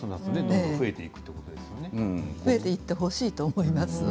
増えていってほしいと思います。